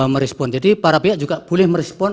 merespon jadi para pihak juga boleh merespon